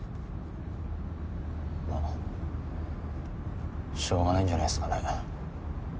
まあしょうがないんじゃないっすかね。